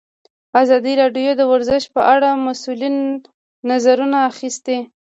ازادي راډیو د ورزش په اړه د مسؤلینو نظرونه اخیستي.